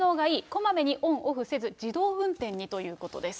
こまめにオンオフせず、自動運転にということです。